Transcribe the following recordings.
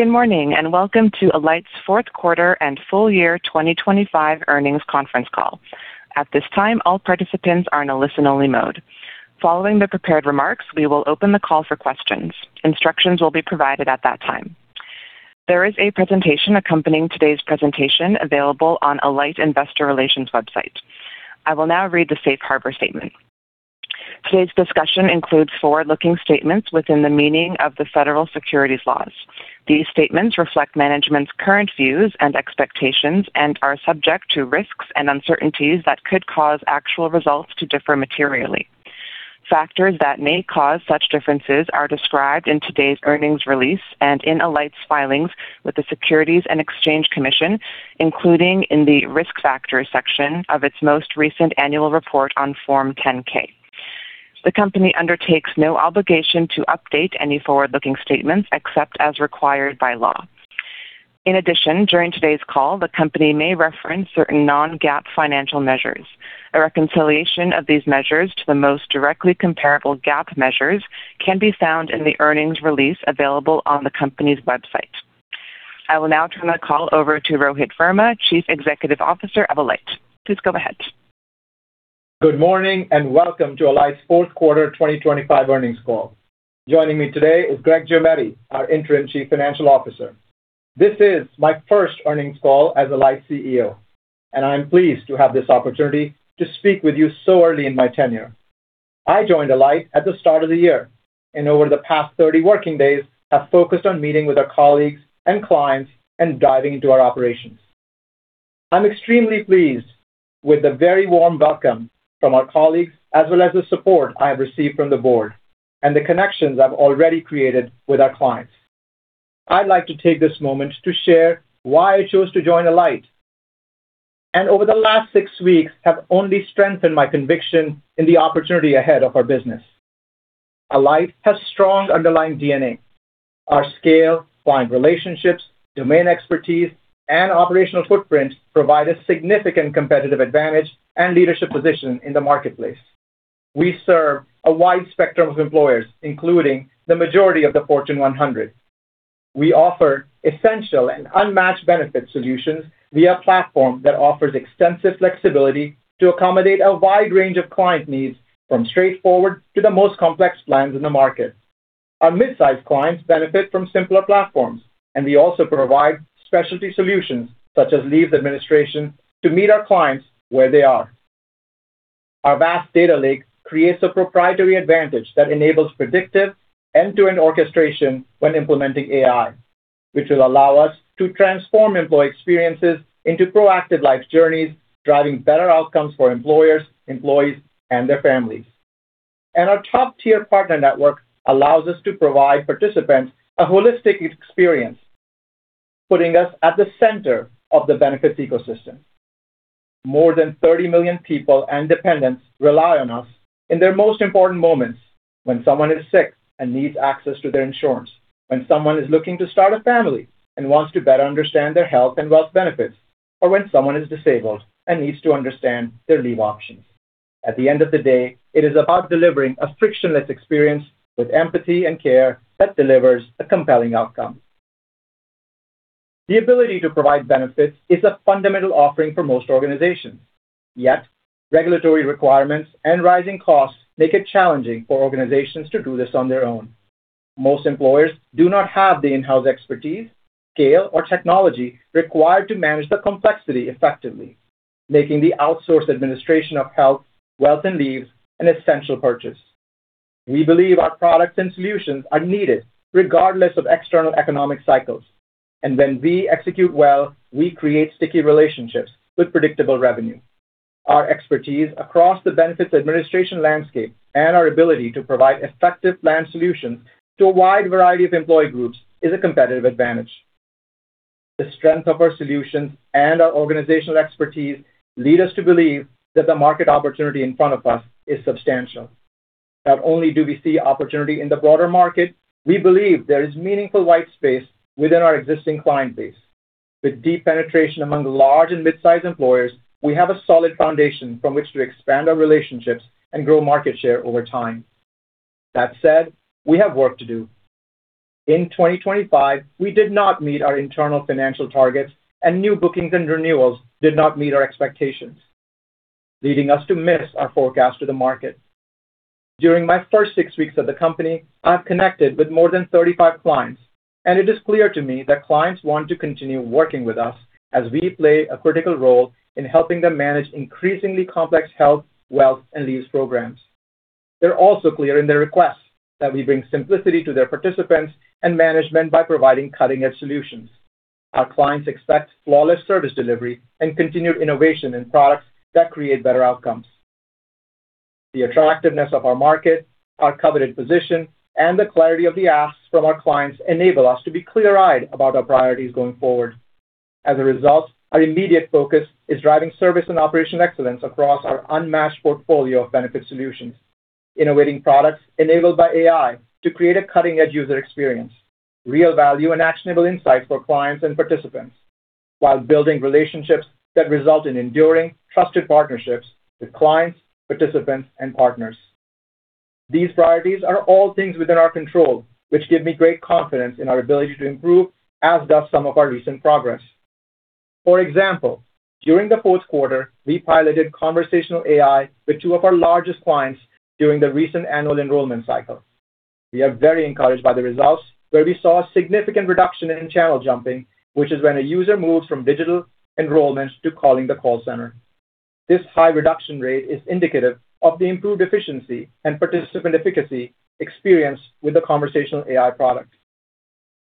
Good morning, and welcome to Alight's fourth quarter and full year 2025 earnings conference call. At this time, all participants are in a listen-only mode. Following the prepared remarks, we will open the call for questions. Instructions will be provided at that time. There is a presentation accompanying today's presentation available on Alight Investor Relations website. I will now read the safe harbor statement. Today's discussion includes forward-looking statements within the meaning of the federal securities laws. These statements reflect management's current views and expectations and are subject to risks and uncertainties that could cause actual results to differ materially. Factors that may cause such differences are described in today's earnings release and in Alight's filings with the Securities and Exchange Commission, including in the Risk Factors section of its most recent annual report on Form 10-K. The company undertakes no obligation to update any forward-looking statements except as required by law. In addition, during today's call, the company may reference certain non-GAAP financial measures. A reconciliation of these measures to the most directly comparable GAAP measures can be found in the earnings release available on the company's website. I will now turn the call over to Rohit Verma, Chief Executive Officer of Alight. Please go ahead. Good morning, and welcome to Alight's fourth quarter 2025 earnings call. Joining me today is Greg Giometti, our Interim Chief Financial Officer. This is my first earnings call as Alight CEO, and I'm pleased to have this opportunity to speak with you so early in my tenure. I joined Alight at the start of the year, and over the past 30 working days, have focused on meeting with our colleagues and clients and diving into our operations. I'm extremely pleased with the very warm welcome from our colleagues, as well as the support I have received from the board and the connections I've already created with our clients. I'd like to take this moment to share why I chose to join Alight, and over the last 6 weeks, have only strengthened my conviction in the opportunity ahead of our business. Alight has strong underlying DNA. Our scale, client relationships, domain expertise, and operational footprint provide a significant competitive advantage and leadership position in the marketplace. We serve a wide spectrum of employers, including the majority of the Fortune 100. We offer essential and unmatched benefit solutions via a platform that offers extensive flexibility to accommodate a wide range of client needs, from straightforward to the most complex plans in the market. Our mid-sized clients benefit from simpler platforms, and we also provide specialty solutions, such as leaves administration, to meet our clients where they are. Our vast data lake creates a proprietary advantage that enables predictive end-to-end orchestration when implementing AI, which will allow us to transform employee experiences into proactive life journeys, driving better outcomes for employers, employees, and their families. Our top-tier partner network allows us to provide participants a holistic experience, putting us at the center of the benefits ecosystem. More than 30 million people and dependents rely on us in their most important moments: when someone is sick and needs access to their insurance, when someone is looking to start a family and wants to better understand their health and wealth benefits, or when someone is disabled and needs to understand their leave options. At the end of the day, it is about delivering a frictionless experience with empathy and care that delivers a compelling outcome. The ability to provide benefits is a fundamental offering for most organizations. Yet regulatory requirements and rising costs make it challenging for organizations to do this on their own. Most employers do not have the in-house expertise, scale, or technology required to manage the complexity effectively, making the outsourced administration of health, wealth, and leaves an essential purchase. We believe our products and solutions are needed regardless of external economic cycles, and when we execute well, we create sticky relationships with predictable revenue. Our expertise across the benefits administration landscape and our ability to provide effective plan solutions to a wide variety of employee groups is a competitive advantage. The strength of our solutions and our organizational expertise lead us to believe that the market opportunity in front of us is substantial. Not only do we see opportunity in the broader market, we believe there is meaningful white space within our existing client base. With deep penetration among large and mid-sized employers, we have a solid foundation from which to expand our relationships and grow market share over time. That said, we have work to do. In 2025, we did not meet our internal financial targets, and new bookings and renewals did not meet our expectations, leading us to miss our forecast to the market. During my first six weeks at the company, I've connected with more than 35 clients, and it is clear to me that clients want to continue working with us as we play a critical role in helping them manage increasingly complex health, wealth, and leaves programs. They're also clear in their requests that we bring simplicity to their participants and management by providing cutting-edge solutions. Our clients expect flawless service delivery and continued innovation in products that create better outcomes. The attractiveness of our market, our coveted position, and the clarity of the asks from our clients enable us to be clear-eyed about our priorities going forward. As a result, our immediate focus is driving service and operational excellence across our unmatched portfolio of benefit solutions, innovating products enabled by AI to create a cutting-edge user experience, real value, and actionable insights for clients and participants, while building relationships that result in enduring, trusted partnerships with clients, participants, and partners. These priorities are all things within our control, which give me great confidence in our ability to improve, as does some of our recent progress. For example, during the fourth quarter, we piloted conversational AI with two of our largest clients during the recent annual enrollment cycle. We are very encouraged by the results, where we saw a significant reduction in channel jumping, which is when a user moves from digital enrollment to calling the call center. This high reduction rate is indicative of the improved efficiency and participant efficacy experienced with the conversational AI product.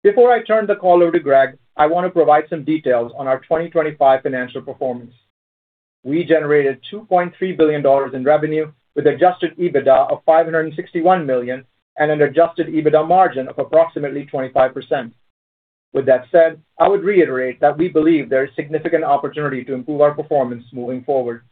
Before I turn the call over to Greg, I want to provide some details on our 2025 financial performance. We generated $2.3 billion in revenue, with Adjusted EBITDA of $561 million, and an Adjusted EBITDA margin of approximately 25%. With that said, I would reiterate that we believe there is significant opportunity to improve our performance moving forward.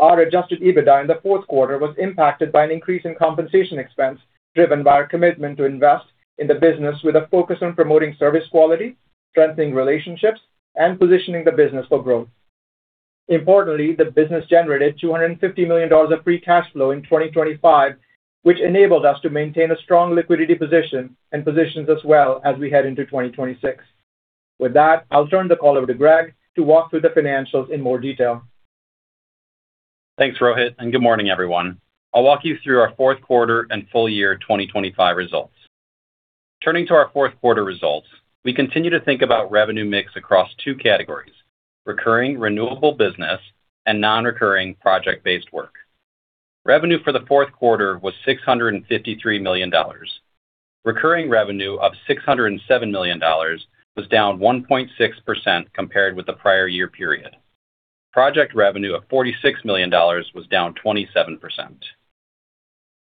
Our Adjusted EBITDA in the fourth quarter was impacted by an increase in compensation expense, driven by our commitment to invest in the business with a focus on promoting service quality, strengthening relationships, and positioning the business for growth. Importantly, the business generated $250 million of free cash flow in 2025, which enabled us to maintain a strong liquidity position and positions us well as we head into 2026. With that, I'll turn the call over to Greg to walk through the financials in more detail. Thanks, Rohit, and good morning, everyone. I'll walk you through our fourth quarter and full year 2025 results. Turning to our fourth quarter results, we continue to think about revenue mix across two categories: recurring, renewable business and non-recurring, project-based work. Revenue for the fourth quarter was $653 million. Recurring revenue of $607 million was down 1.6% compared with the prior year period. Project revenue of $46 million was down 27%.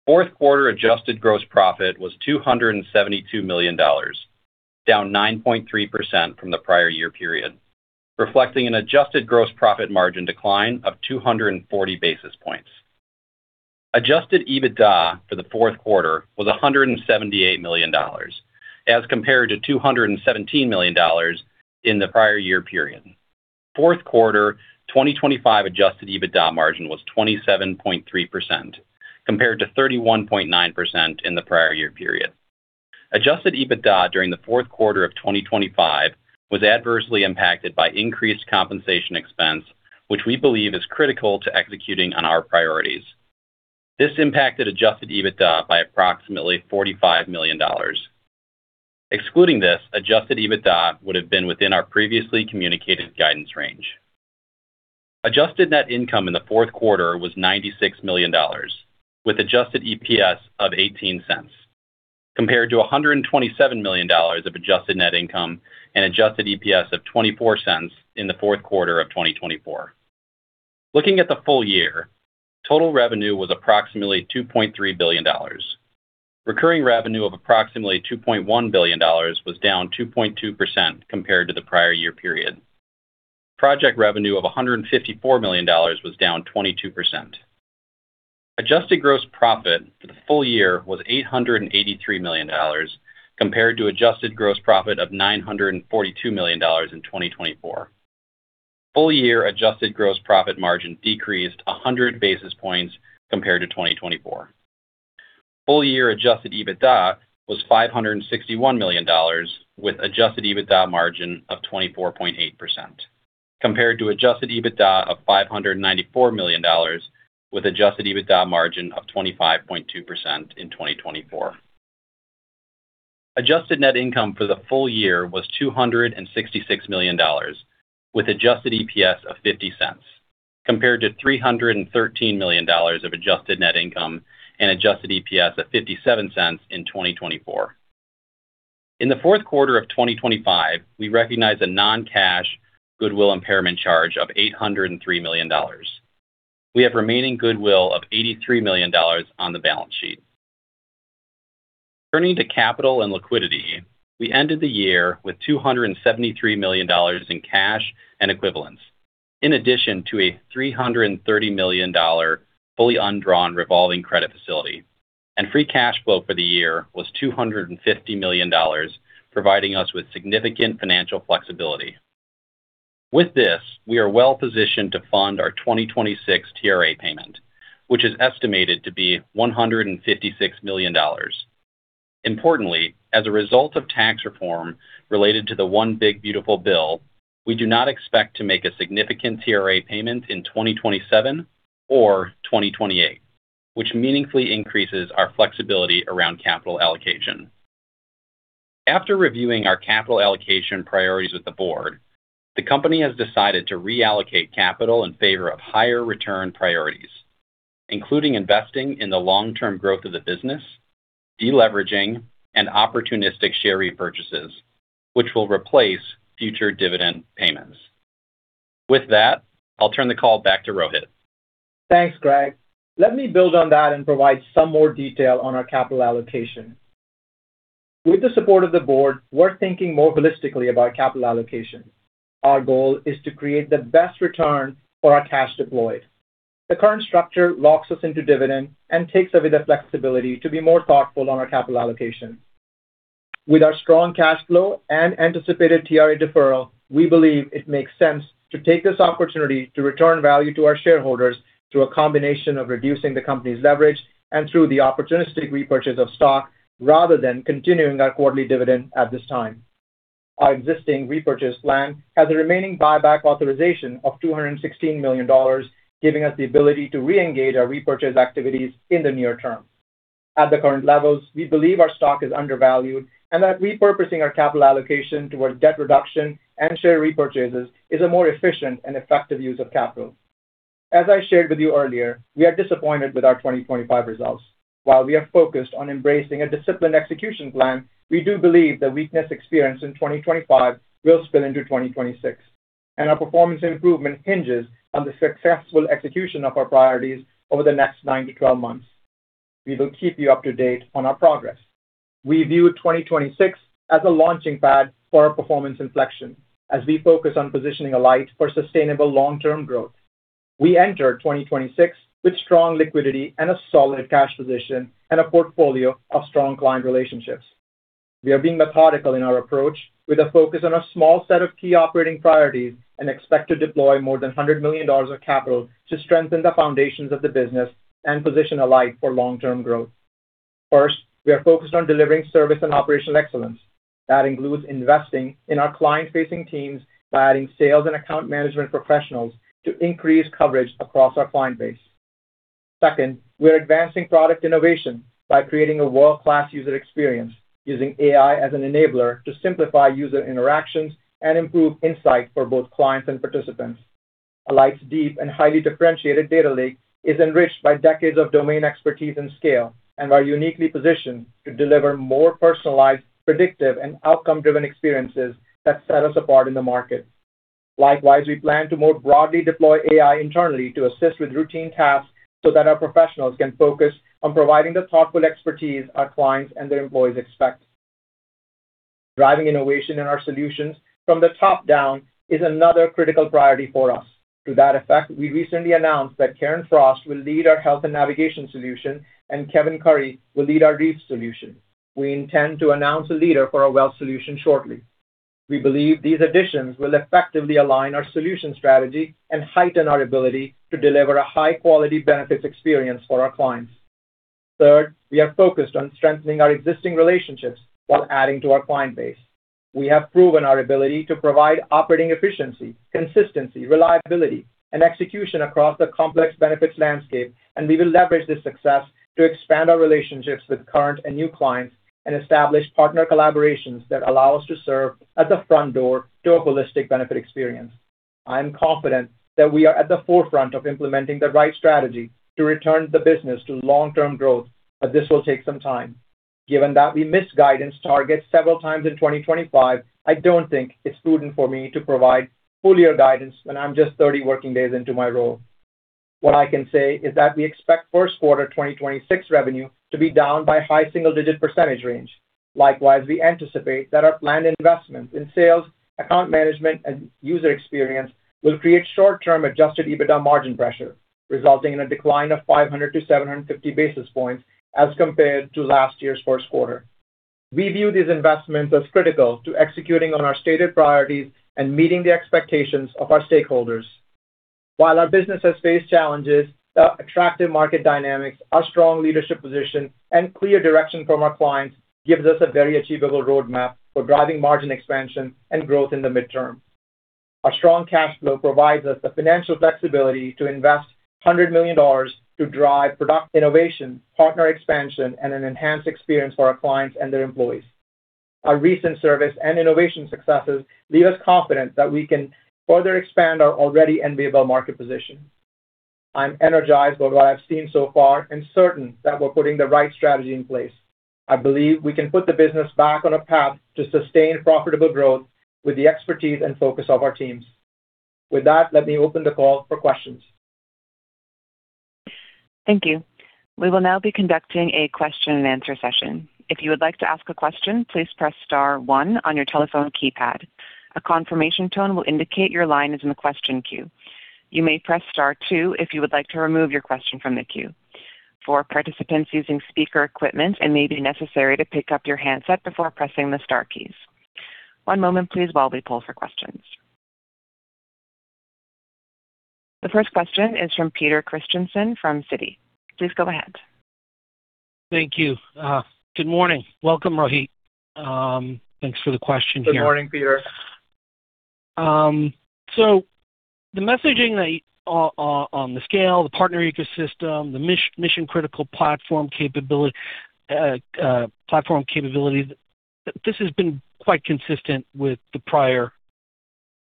Fourth quarter adjusted gross profit was $272 million, down 9.3% from the prior year period, reflecting an adjusted gross profit margin decline of 240 basis points. Adjusted EBITDA for the fourth quarter was $178 million, as compared to $217 million in the prior year period. Fourth quarter 2025 Adjusted EBITDA margin was 27.3%, compared to 31.9% in the prior year period. Adjusted EBITDA during the fourth quarter of 2025 was adversely impacted by increased compensation expense, which we believe is critical to executing on our priorities. This impacted Adjusted EBITDA by approximately $45 million. Excluding this, Adjusted EBITDA would have been within our previously communicated guidance range. Adjusted net income in the fourth quarter was $96 million, with Adjusted EPS of $0.18, compared to $127 million of adjusted net income and Adjusted EPS of $0.24 in the fourth quarter of 2024. Looking at the full year, total revenue was approximately $2.3 billion. Recurring revenue of approximately $2.1 billion was down 2.2% compared to the prior year period. Project revenue of $154 million was down 22%. Adjusted gross profit for the full year was $883 million, compared to adjusted gross profit of $942 million in 2024. Full year adjusted gross profit margin decreased 100 basis points compared to 2024. Full year Adjusted EBITDA was $561 million, with Adjusted EBITDA margin of 24.8%, compared to Adjusted EBITDA of $594 million, with Adjusted EBITDA margin of 25.2% in 2024. Adjusted net income for the full year was $266 million, with adjusted EPS of $0.50, compared to $313 million of adjusted net income and adjusted EPS of $0.57 in 2024. In the fourth quarter of 2025, we recognized a non-cash goodwill impairment charge of $803 million. We have remaining goodwill of $83 million on the balance sheet. Turning to capital and liquidity, we ended the year with $273 million in cash and equivalents, in addition to a $330 million fully undrawn revolving credit facility, and free cash flow for the year was $250 million, providing us with significant financial flexibility. With this, we are well positioned to fund our 2026 TRA payment, which is estimated to be $156 million. Importantly, as a result of tax reform related to the One Big Beautiful Bill, we do not expect to make a significant TRA payment in 2027 or 2028, which meaningfully increases our flexibility around capital allocation. After reviewing our capital allocation priorities with the board, the company has decided to reallocate capital in favor of higher return priorities, including investing in the long-term growth of the business, deleveraging, and opportunistic share repurchases, which will replace future dividend payments. With that, I'll turn the call back to Rohit. Thanks, Greg. Let me build on that and provide some more detail on our capital allocation. With the support of the board, we're thinking more holistically about capital allocation. Our goal is to create the best return for our cash deployed. The current structure locks us into dividend and takes away the flexibility to be more thoughtful on our capital allocation.... With our strong cash flow and anticipated TRA deferral, we believe it makes sense to take this opportunity to return value to our shareholders through a combination of reducing the company's leverage and through the opportunistic repurchase of stock, rather than continuing our quarterly dividend at this time. Our existing repurchase plan has a remaining buyback authorization of $216 million, giving us the ability to reengage our repurchase activities in the near term. At the current levels, we believe our stock is undervalued and that repurposing our capital allocation towards debt reduction and share repurchases is a more efficient and effective use of capital. As I shared with you earlier, we are disappointed with our 2025 results. While we are focused on embracing a disciplined execution plan, we do believe the weakness experienced in 2025 will spill into 2026, and our performance improvement hinges on the successful execution of our priorities over the next 9-12 months. We will keep you up to date on our progress. We view 2026 as a launching pad for our performance inflection as we focus on positioning Alight for sustainable long-term growth. We enter 2026 with strong liquidity and a solid cash position and a portfolio of strong client relationships. We are being methodical in our approach, with a focus on a small set of key operating priorities, and expect to deploy more than $100 million of capital to strengthen the foundations of the business and position Alight for long-term growth. First, we are focused on delivering service and operational excellence. That includes investing in our client-facing teams by adding sales and account management professionals to increase coverage across our client base. Second, we are advancing product innovation by creating a world-class user experience, using AI as an enabler to simplify user interactions and improve insight for both clients and participants. Alight's deep and highly differentiated data lake is enriched by decades of domain expertise and scale, and we are uniquely positioned to deliver more personalized, predictive, and outcome-driven experiences that set us apart in the market. Likewise, we plan to more broadly deploy AI internally to assist with routine tasks so that our professionals can focus on providing the thoughtful expertise our clients and their employees expect. Driving innovation in our solutions from the top down is another critical priority for us. To that effect, we recently announced that Karen Frost will lead our health and navigation solution, and Kevin Curry will lead our REAP solution. We intend to announce a leader for our wealth solution shortly. We believe these additions will effectively align our solution strategy and heighten our ability to deliver a high-quality benefits experience for our clients. Third, we are focused on strengthening our existing relationships while adding to our client base. We have proven our ability to provide operating efficiency, consistency, reliability, and execution across the complex benefits landscape, and we will leverage this success to expand our relationships with current and new clients and establish partner collaborations that allow us to serve at the front door to a holistic benefit experience. I am confident that we are at the forefront of implementing the right strategy to return the business to long-term growth, but this will take some time. Given that we missed guidance targets several times in 2025, I don't think it's prudent for me to provide full year guidance when I'm just 30 working days into my role. What I can say is that we expect first quarter 2026 revenue to be down by high single-digit % range. Likewise, we anticipate that our planned investments in sales, account management, and user experience will create short-term Adjusted EBITDA margin pressure, resulting in a decline of 500-750 basis points as compared to last year's first quarter. We view these investments as critical to executing on our stated priorities and meeting the expectations of our stakeholders. While our business has faced challenges, the attractive market dynamics, our strong leadership position, and clear direction from our clients gives us a very achievable roadmap for driving margin expansion and growth in the midterm. Our strong cash flow provides us the financial flexibility to invest $100 million to drive product innovation, partner expansion, and an enhanced experience for our clients and their employees. Our recent service and innovation successes leave us confident that we can further expand our already enviable market position. I'm energized by what I've seen so far and certain that we're putting the right strategy in place. I believe we can put the business back on a path to sustained, profitable growth with the expertise and focus of our teams. With that, let me open the call for questions. Thank you. We will now be conducting a question-and-answer session. If you would like to ask a question, please press star one on your telephone keypad. A confirmation tone will indicate your line is in the question queue. You may press star two if you would like to remove your question from the queue. For participants using speaker equipment, it may be necessary to pick up your handset before pressing the star keys. One moment, please, while we pull for questions. The first question is from Peter Christiansen from Citi. Please go ahead. Thank you. Good morning. Welcome, Rohit. Thanks for the question here. Good morning, Peter. So the messaging that on the scale, the partner ecosystem, the mission-critical platform capability, this has been quite consistent with the prior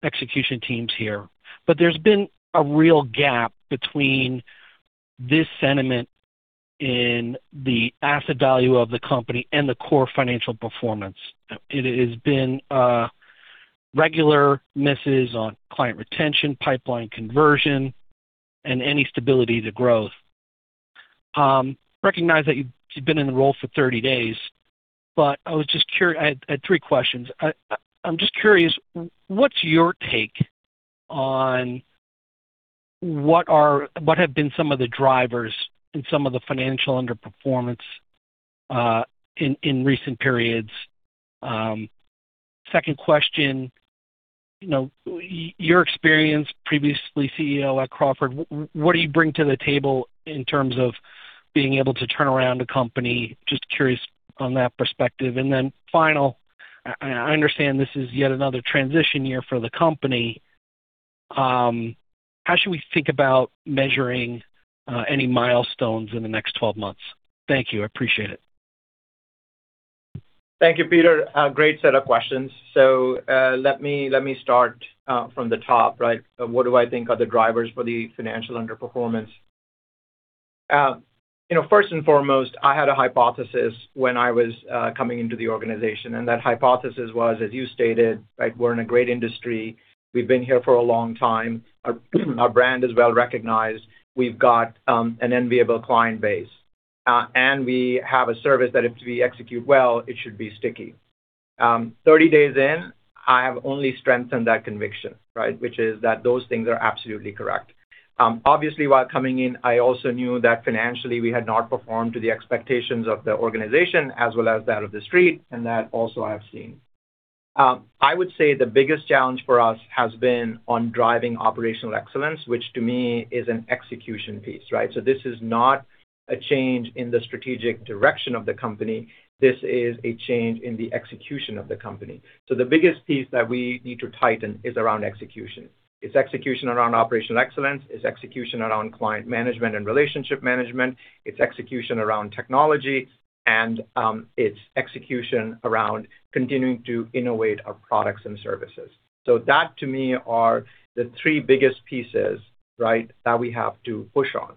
execution teams here. But there's been a real gap between this sentiment in the asset value of the company and the core financial performance. It has been regular misses on client retention, pipeline conversion, and any stability to growth. Recognize that you've been in the role for 30 days, but I was just curious. I had three questions. I'm just curious, what have been some of the drivers in some of the financial underperformance in recent periods? Second question, you know, your experience previously CEO at Crawford, what do you bring to the table in terms of being able to turn around a company? Just curious on that perspective. And then final, I understand this is yet another transition year for the company. How should we think about measuring any milestones in the next 12 months? Thank you. I appreciate it. Thank you, Peter. A great set of questions. So, let me start from the top, right? What do I think are the drivers for the financial underperformance? You know, first and foremost, I had a hypothesis when I was coming into the organization, and that hypothesis was, as you stated, like, we're in a great industry, we've been here for a long time, our brand is well-recognized, we've got an enviable client base, and we have a service that if we execute well, it should be sticky. 30 days in, I have only strengthened that conviction, right? Which is that those things are absolutely correct. Obviously, while coming in, I also knew that financially we had not performed to the expectations of the organization as well as that of the street, and that also I have seen. I would say the biggest challenge for us has been on driving operational excellence, which to me is an execution piece, right? So this is not a change in the strategic direction of the company. This is a change in the execution of the company. So the biggest piece that we need to tighten is around execution. It's execution around operational excellence, it's execution around client management and relationship management, it's execution around technology, and it's execution around continuing to innovate our products and services. So that, to me, are the three biggest pieces, right, that we have to push on.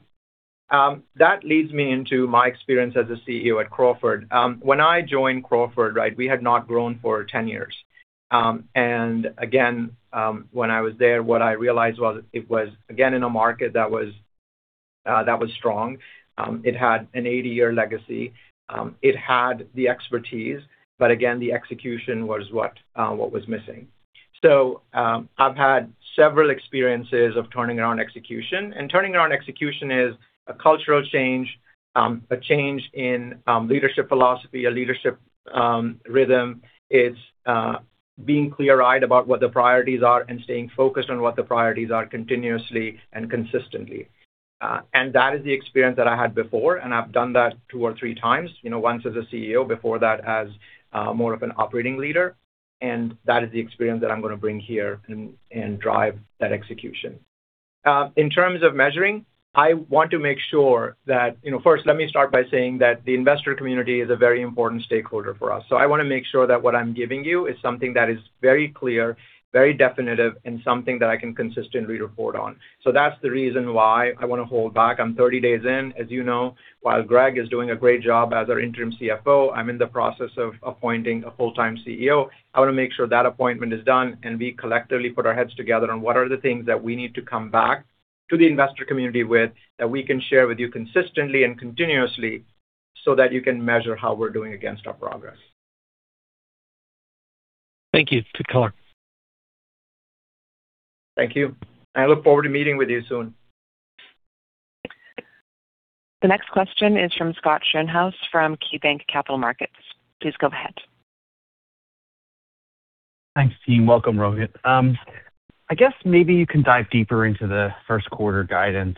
That leads me into my experience as a CEO at Crawford. When I joined Crawford, right, we had not grown for 10 years. And again, when I was there, what I realized was it was, again, in a market that was strong. It had an 80-year legacy, it had the expertise, but again, the execution was what was missing. So, I've had several experiences of turning around execution, and turning around execution is a cultural change, a change in leadership philosophy, a leadership rhythm. It's being clear-eyed about what the priorities are and staying focused on what the priorities are continuously and consistently. And that is the experience that I had before, and I've done that 2x or 3x, you know, once as a CEO, before that as more of an operating leader, and that is the experience that I'm going to bring here and drive that execution. In terms of measuring, I want to make sure that... You know, first, let me start by saying that the investor community is a very important stakeholder for us. So I want to make sure that what I'm giving you is something that is very clear, very definitive, and something that I can consistently report on. So that's the reason why I want to hold back. I'm 30 days in, as you know, while Greg is doing a great job as our Interim CFO, I'm in the process of appointing a full-time CEO. I want to make sure that appointment is done and we collectively put our heads together on what are the things that we need to come back to the investor community with, that we can share with you consistently and continuously, so that you can measure how we're doing against our progress. Thank you. Good color. Thank you. I look forward to meeting with you soon. The next question is from Scott Schoenhaus, from KeyBanc Capital Markets. Please go ahead. Thanks, Jean. Welcome, Rohit. I guess maybe you can dive deeper into the first quarter guidance,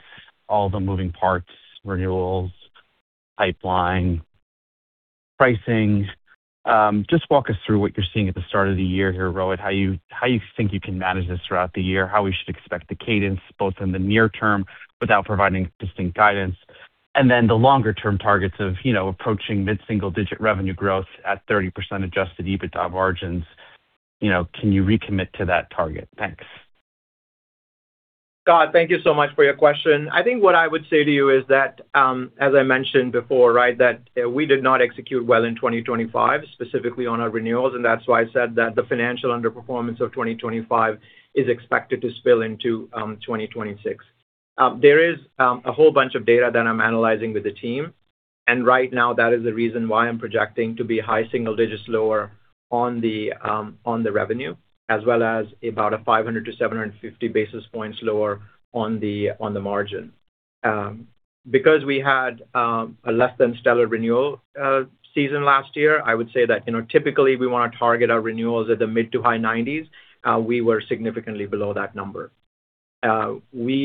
all the moving parts, renewals, pipeline, pricing. Just walk us through what you're seeing at the start of the year here, Rohit, how you think you can manage this throughout the year, how we should expect the cadence, both in the near term, without providing distinct guidance, and then the longer-term targets of, you know, approaching mid-single digit revenue growth at 30% Adjusted EBITDA margins. You know, can you recommit to that target? Thanks. Scott, thank you so much for your question. I think what I would say to you is that, as I mentioned before, right, that we did not execute well in 2025, specifically on our renewals, and that's why I said that the financial underperformance of 2025 is expected to spill into, 2026. There is a whole bunch of data that I'm analyzing with the team, and right now, that is the reason why I'm projecting to be high single digits lower on the, on the revenue, as well as about a 500-750 basis points lower on the, on the margin. Because we had a less than stellar renewal season last year, I would say that, you know, typically, we want to target our renewals at the mid- to high 90s. We were significantly below that number. I think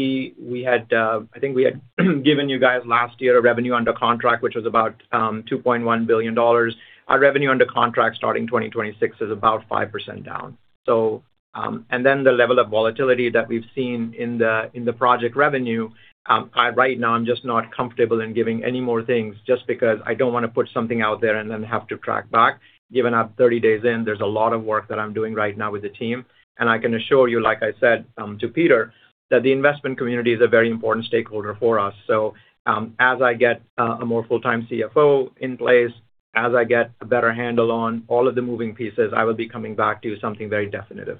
we had given you guys last year a Revenue Under Contract, which was about $2.1 billion. Our Revenue Under Contract starting 2026 is about 5% down. So, and then the level of volatility that we've seen in the project revenue, right now I'm just not comfortable in giving any more things just because I don't want to put something out there and then have to track back. Given I'm 30 days in, there's a lot of work that I'm doing right now with the team, and I can assure you, like I said to Peter, that the investment community is a very important stakeholder for us. As I get a more full-time CFO in place, as I get a better handle on all of the moving pieces, I will be coming back to you with something very definitive.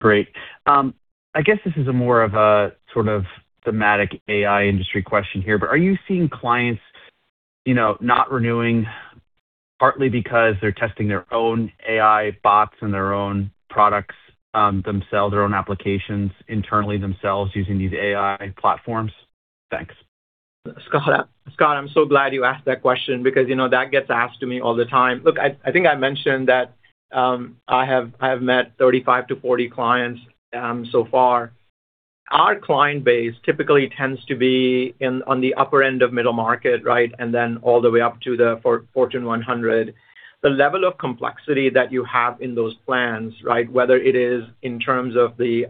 Great. I guess this is a more of a sort of thematic AI industry question here, but are you seeing clients, you know, not renewing?... partly because they're testing their own AI bots and their own products, themselves, their own applications internally themselves, using these AI platforms? Thanks. Scott, Scott, I'm so glad you asked that question because, you know, that gets asked to me all the time. Look, I, I think I mentioned that, I have, I have met 35-40 clients, so far. Our client base typically tends to be in, on the upper end of middle market, right, and then all the way up to the Fortune 100. The level of complexity that you have in those plans, right, whether it is in terms of the,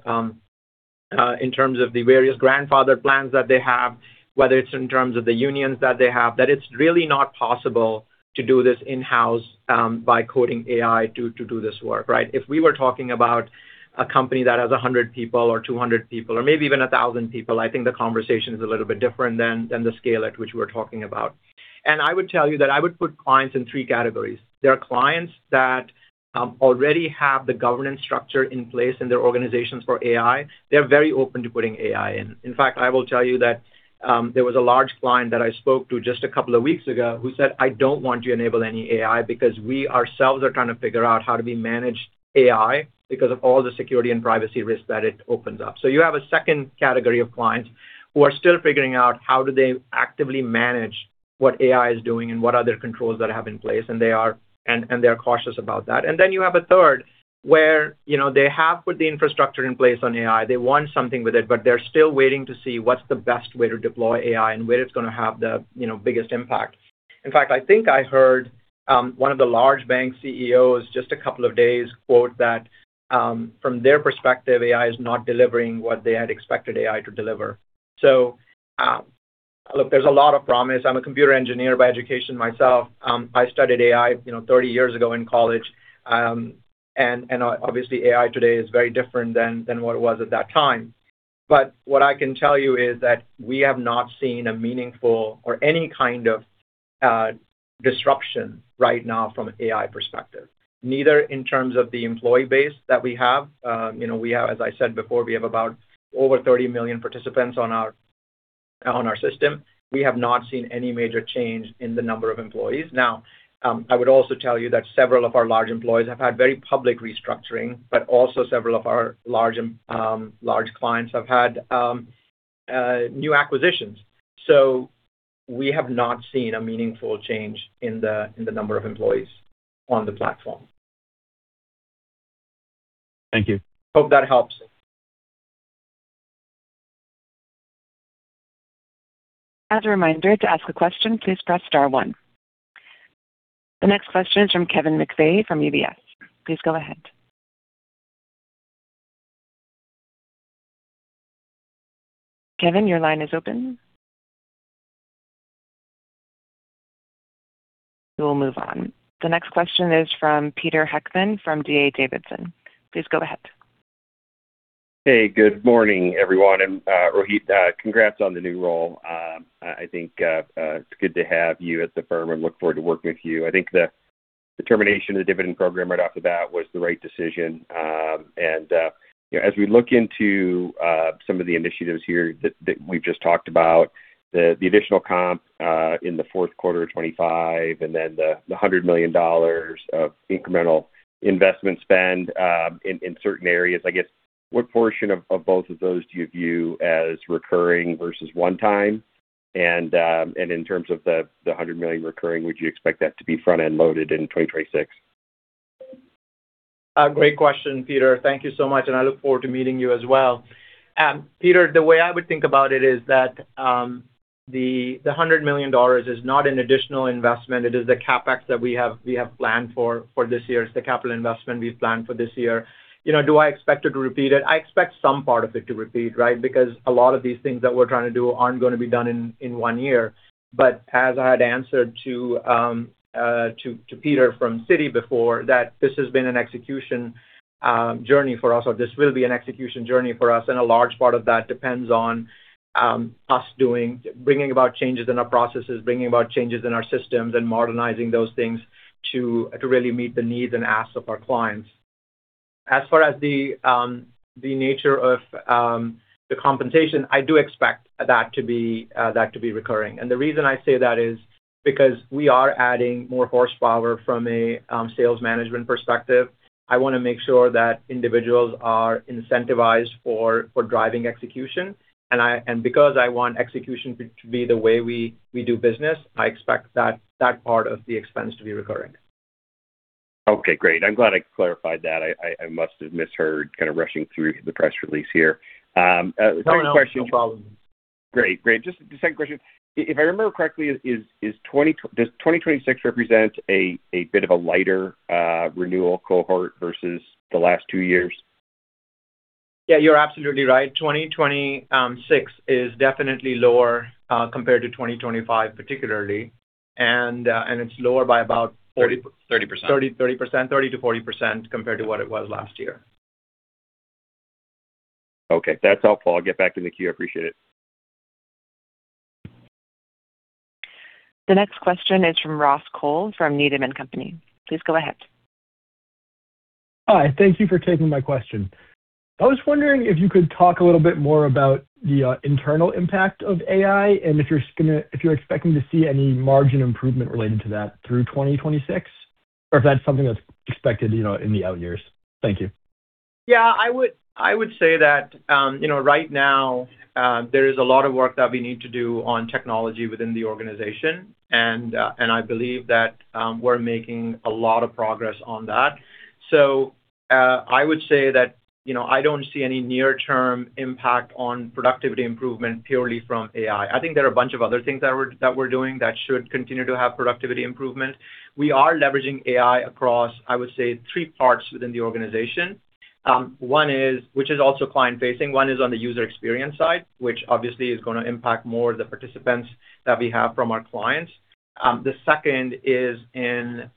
in terms of the various grandfathered plans that they have, whether it's in terms of the unions that they have, that it's really not possible to do this in-house, by coding AI to, to do this work, right? If we were talking about a company that has 100 people or 200 people or maybe even 1,000 people, I think the conversation is a little bit different than, than the scale at which we're talking about. I would tell you that I would put clients in three categories. There are clients that already have the governance structure in place in their organizations for AI. They're very open to putting AI in. In fact, I will tell you that there was a large client that I spoke to just a couple of weeks ago who said: I don't want to enable any AI because we ourselves are trying to figure out how to manage AI because of all the security and privacy risks that it opens up. So you have a second category of clients who are still figuring out how do they actively manage what AI is doing and what other controls they have in place, and they're cautious about that. And then you have a third, where, you know, they have put the infrastructure in place on AI. They want something with it, but they're still waiting to see what's the best way to deploy AI and where it's gonna have the, you know, biggest impact. In fact, I think I heard one of the large bank CEOs just a couple of days quote that, from their perspective, AI is not delivering what they had expected AI to deliver. So, look, there's a lot of promise. I'm a computer engineer by education myself. I studied AI, you know, 30 years ago in college. Obviously, AI today is very different than what it was at that time. But what I can tell you is that we have not seen a meaningful or any kind of disruption right now from an AI perspective, neither in terms of the employee base that we have. You know, we have, as I said before, we have about over 30 million participants on our system. We have not seen any major change in the number of employees. Now, I would also tell you that several of our large employees have had very public restructuring, but also several of our large clients have had new acquisitions. So we have not seen a meaningful change in the number of employees on the platform. Thank you. Hope that helps. As a reminder, to ask a question, please press star one. The next question is from Kevin McVeigh from UBS. Please go ahead. Kevin, your line is open. We will move on. The next question is from Peter Heckmann from D.A. Davidson. Please go ahead. Hey, good morning, everyone. And, Rohit, congrats on the new role. I think it's good to have you at the firm and look forward to working with you. I think the termination of the dividend program right off the bat was the right decision. And you know, as we look into some of the initiatives here that we've just talked about, the additional comp in the fourth quarter of 2025 and then the $100 million of incremental investment spend in certain areas, I guess, what portion of both of those do you view as recurring versus one time? And in terms of the $100 million recurring, would you expect that to be front-end loaded in 2026? Great question, Peter. Thank you so much, and I look forward to meeting you as well. Peter, the way I would think about it is that the $100 million is not an additional investment. It is the CapEx that we have planned for this year. It's the capital investment we've planned for this year. You know, do I expect it to repeat it? I expect some part of it to repeat, right? Because a lot of these things that we're trying to do aren't gonna be done in one year. But as I had answered to Peter from Citi before, that this has been an execution journey for us, or this will be an execution journey for us, and a large part of that depends on us doing... bringing about changes in our processes, bringing about changes in our systems, and modernizing those things to really meet the needs and asks of our clients. As far as the nature of the compensation, I do expect that to be recurring. And the reason I say that is because we are adding more horsepower from a sales management perspective. I want to make sure that individuals are incentivized for driving execution. And because I want execution to be the way we do business, I expect that part of the expense to be recurring. Okay, great. I'm glad I clarified that. I must have misheard, kind of, rushing through the press release here. Second question- No, no. No problem. Great. Great. Just the second question. If I remember correctly, does 2026 represent a bit of a lighter renewal cohort versus the last two years? Yeah, you're absolutely right. 2026 is definitely lower compared to 2025, particularly, and it's lower by about forty- Thirty percent. 30, 30%. 30%-40% compared to what it was last year. Okay, that's helpful. I'll get back in the queue. I appreciate it. The next question is from Ross Cole, from Needham & Company. Please go ahead.... Hi, thank you for taking my question. I was wondering if you could talk a little bit more about the internal impact of AI and if you're expecting to see any margin improvement related to that through 2026, or if that's something that's expected, you know, in the out years. Thank you. Yeah, I would, I would say that, you know, right now, there is a lot of work that we need to do on technology within the organization, and, and I believe that, we're making a lot of progress on that. So, I would say that, you know, I don't see any near-term impact on productivity improvement purely from AI. I think there are a bunch of other things that we're, that we're doing that should continue to have productivity improvement. We are leveraging AI across, I would say, three parts within the organization. One is, which is also client-facing, one is on the user experience side, which obviously is gonna impact more the participants that we have from our clients. The second is in,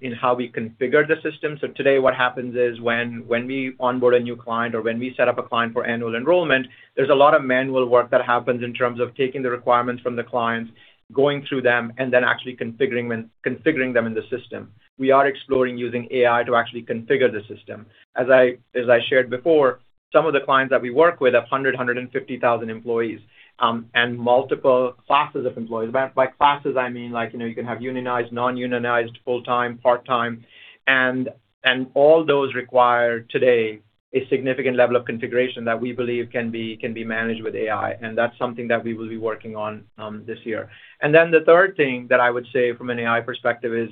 in how we configure the system. So today, what happens is when we onboard a new client or when we set up a client for annual enrollment, there's a lot of manual work that happens in terms of taking the requirements from the clients, going through them, and then actually configuring them in the system. We are exploring using AI to actually configure the system. As I shared before, some of the clients that we work with have 150,000 employees, and multiple classes of employees. By classes, I mean, like, you know, you can have unionized, non-unionized, full-time, part-time, and all those require today a significant level of configuration that we believe can be managed with AI, and that's something that we will be working on this year. The third thing that I would say from an AI perspective is,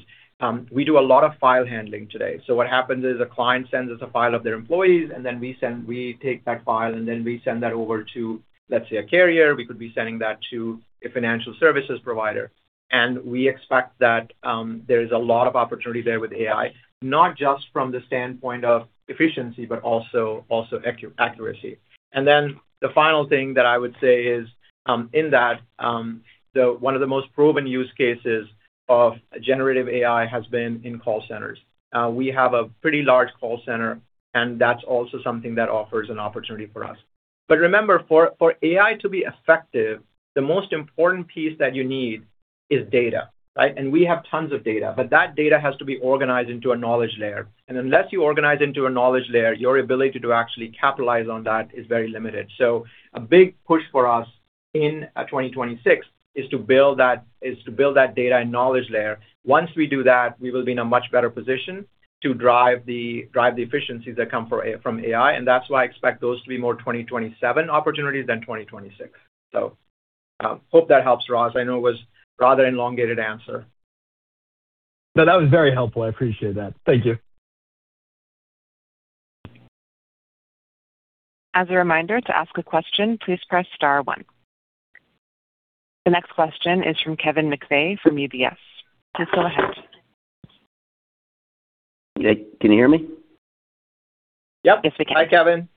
we do a lot of file handling today. So what happens is a client sends us a file of their employees, and then we take that file, and then we send that over to, let's say, a carrier. We could be sending that to a financial services provider. And we expect that there is a lot of opportunity there with AI, not just from the standpoint of efficiency, but also accuracy. The final thing that I would say is one of the most proven use cases of generative AI has been in call centers. We have a pretty large call center, and that's also something that offers an opportunity for us. But remember, for AI to be effective, the most important piece that you need is data, right? And we have tons of data, but that data has to be organized into a knowledge layer. And unless you organize into a knowledge layer, your ability to actually capitalize on that is very limited. So a big push for us in 2026 is to build that data and knowledge layer. Once we do that, we will be in a much better position to drive the efficiencies that come from AI, and that's why I expect those to be more 2027 opportunities than 2026. So hope that helps, Ross. I know it was a rather elongated answer. No, that was very helpful. I appreciate that. Thank you. As a reminder, to ask a question, please press star one. The next question is from Kevin McVeigh from UBS. Please go ahead. Hey, can you hear me? Yep. Yes, we can. Hi, Kevin.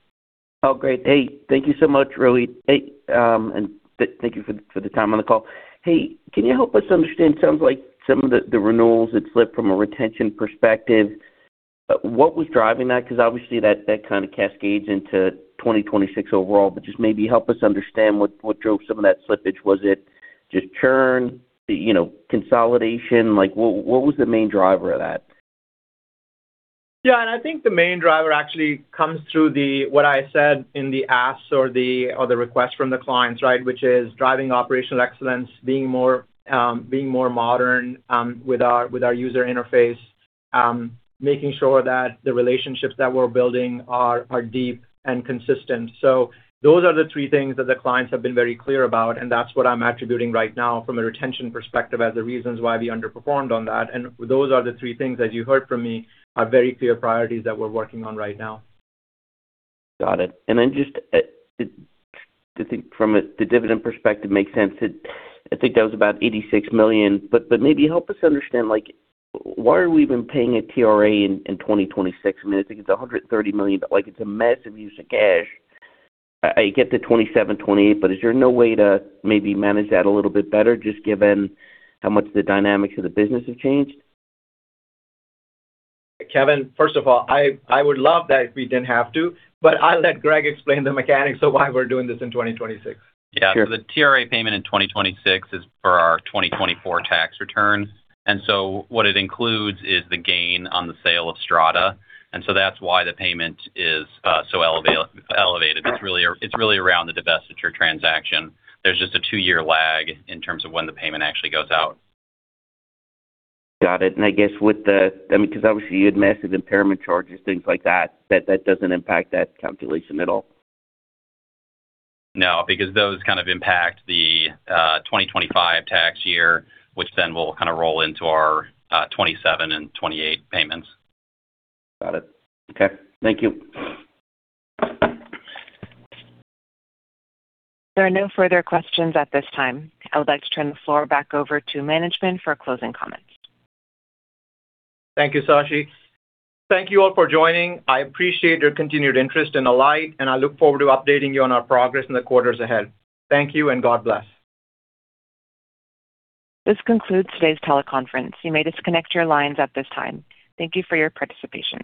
Oh, great. Hey, thank you so much, Rohit. Hey, and thank you for the time on the call. Hey, can you help us understand? Sounds like some of the renewals had slipped from a retention perspective. What was driving that? Because obviously, that kind of cascades into 2026 overall, but just maybe help us understand what drove some of that slippage. Was it just churn, you know, consolidation? Like, what was the main driver of that? Yeah, and I think the main driver actually comes through the... what I said in the asks or the, or the requests from the clients, right? Which is driving operational excellence, being more, being more modern, with our, with our user interface, making sure that the relationships that we're building are, are deep and consistent. So those are the three things that the clients have been very clear about, and that's what I'm attributing right now from a retention perspective as the reasons why we underperformed on that. And those are the three things that you heard from me, are very clear priorities that we're working on right now. Got it. And then just, I think from a, the dividend perspective, makes sense. I think that was about $86 million, but, but maybe help us understand, like, why are we even paying a TRA in 2026? I mean, I think it's $130 million, but, like, it's a massive use of cash. I get the 2027, 2028, but is there no way to maybe manage that a little bit better, just given how much the dynamics of the business has changed? Kevin, first of all, I would love that if we didn't have to, but I'll let Greg explain the mechanics of why we're doing this in 2026. Yeah. So the TRA payment in 2026 is for our 2024 tax returns, and so what it includes is the gain on the sale of Strada, and so that's why the payment is so elevated. Sure. It's really, it's really around the divestiture transaction. There's just a two-year lag in terms of when the payment actually goes out. Got it. I guess with the... I mean, because obviously, you had massive impairment charges, things like that, that doesn't impact that calculation at all? No, because those kind of impact the 2025 tax year, which then will kind of roll into our 2027 and 2028 payments. Got it. Okay. Thank you. There are no further questions at this time. I would like to turn the floor back over to management for closing comments. Thank you, Sashi. Thank you all for joining. I appreciate your continued interest in Alight, and I look forward to updating you on our progress in the quarters ahead. Thank you, and God bless. This concludes today's teleconference. You may disconnect your lines at this time. Thank you for your participation.